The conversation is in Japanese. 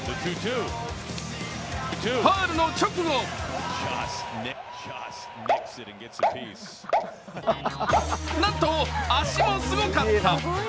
ファウルの直後なんと、足もすごかった。